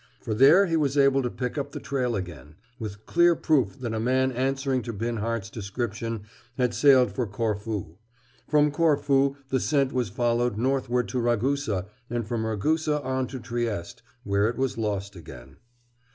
For there he was able to pick up the trail again, with clear proof that a man answering to Binhart's description had sailed for Corfu. From Corfu the scent was followed northward to Ragusa, and from Ragusa, on to Trieste, where it was lost again.